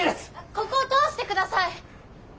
ここを通して下さい！